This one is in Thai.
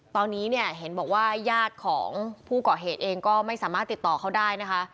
ตอนนี้เนี่ยเห็นบอกว่าญาติของผู้เกาะเหตุเองก็ไม่สามารถติดต่อเขาได้นะคะ